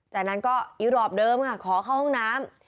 จากนั้นก็อีรอปเดิมค่ะขอเข้าห้องน้ำ